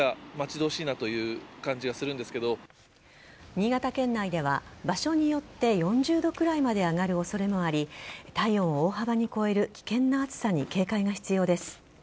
新潟県内では場所によって４０度くらいまで上がる恐れもあり体温を大幅に超える危険な暑さに警戒が必要です。